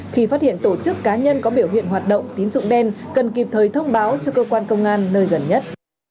khi phát hiện tổ chức cá nhân có biểu hiện hoạt động tín dụng đen cần kịp thời thông báo cho cơ quan công an nơi gần nhất